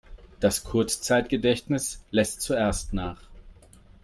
Das Kurzzeitgedächtnis lässt zuerst nach.